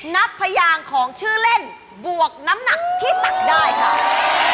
พยางของชื่อเล่นบวกน้ำหนักที่ตักได้ค่ะ